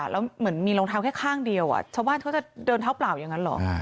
แล้วเหมือนมีรองเท้าแค่ข้างเดียวชาวบ้านเขาจะเดินเท้าเปล่าอย่างนั้นเหรอ